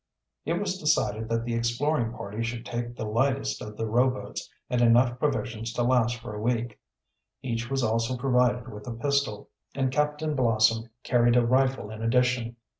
It was decided that the exploring party should take the lightest of the rowboats and enough provisions to last for a week. Each was also provided with a pistol, and Captain Blossom carried a rifle in addition.